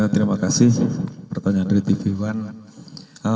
terima kasih pertanyaan dari tv one